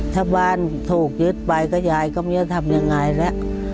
ถ้าบ้านถูกยึดไปก็ยายก็ไม่รู้จะทำยังไงแล้ว